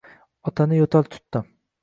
Otani yo`tal tutdi